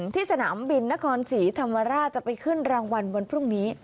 สนามบินนครศรีธรรมราชจะไปขึ้นรางวัลวันพรุ่งนี้